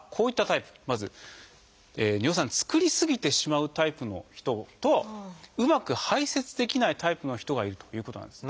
まず尿酸作りすぎてしまうタイプの人とうまく排せつできないタイプの人がいるということなんです。